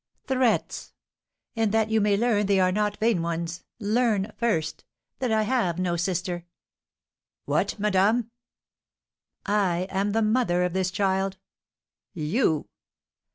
"Threats! And that you may learn they are not vain ones, learn, first, that I have no sister " "What, madame?" "I am the mother of this child!" "You?"